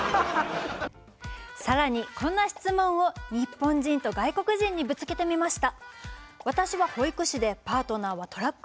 さらに、こんな質問を日本人と外国人にぶつけてみました。